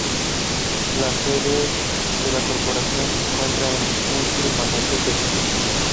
Both Mabelle and Delle were members of the Philomathean Alumnae Association.